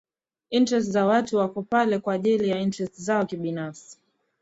interest za watu wako pale kwajili ya interest zao binafsi